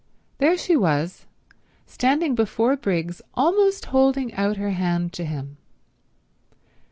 There she was, standing before Briggs almost holding out her hand to him.